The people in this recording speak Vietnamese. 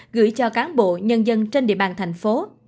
gửi cho cán bộ nhân dân trên địa bàn thành phố